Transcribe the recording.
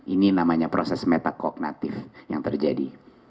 ini namanya proses metakognatif yang terjadi